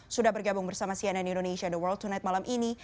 sudah bergabung bersama cnn indonesia the world tonight malam ini